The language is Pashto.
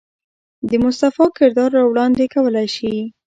د مصطفى کردار را وړاندې کولے شي.